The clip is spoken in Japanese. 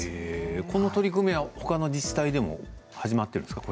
この取り組みはほかの自治体でも始まっているんですか。